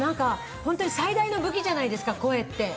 ホントに最大の武器じゃないですか、声って。